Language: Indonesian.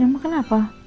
ya emang kenapa